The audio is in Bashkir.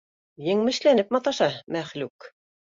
Еңмешләнеп маташа, мәхлүк!